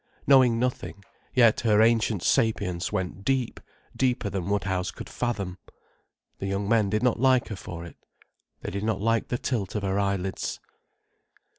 Knowing nothing, yet her ancient sapience went deep, deeper than Woodhouse could fathom. The young men did not like her for it. They did not like the tilt of her eyelids.